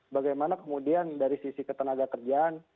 bagaimana kemudian dari sisi ketenaga kerjaan